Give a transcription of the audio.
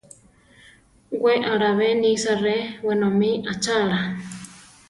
We alábe nisa re wenómi achála.